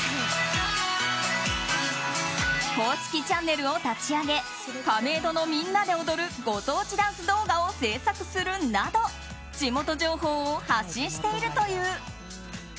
公式チャンネルを立ち上げ亀戸のみんなで踊るご当地ダンス動画を制作するなど地元情報を発信しているという。